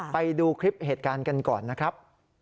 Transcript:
ไปดูคลิปเหตุการณ์กันก่อนนะครับ